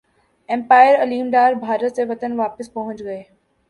empire Aleem Dar Bharat سے وطن واپس پہنچ گئے